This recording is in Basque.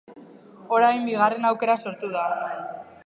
Orain bigarren aukera sortu da.